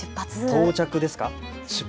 到着ですか？